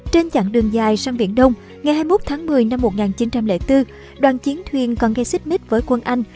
trên chặng đường dài sang biển đông ngày hai mươi một tháng một mươi năm một nghìn chín trăm linh bốn đoàn chiến thuyền còn gây xích mít với quân anh